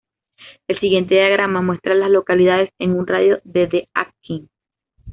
El siguiente diagrama muestra a las localidades en un radio de de Atkins.